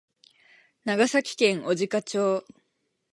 長崎県小値賀町